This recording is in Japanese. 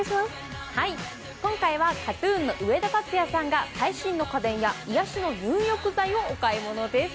今回は、ＫＡＴ−ＴＵＮの上田竜也さんが最新の家電や癒やしの入浴剤をお買い物です。